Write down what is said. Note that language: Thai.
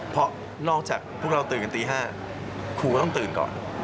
เพราะนอกจากพวกเราตื่นกันตี๕ครูก็ต้องตื่นก่อน